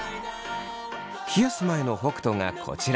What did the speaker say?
冷やす前の北斗がこちら。